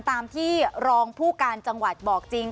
ตามที่รองผู้การจังหวัดบอกจริง